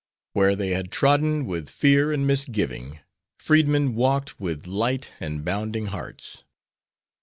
Where they had trodden with fear and misgiving, freedmen walked with light and bounding hearts.